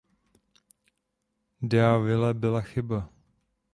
Deauville byla chyba.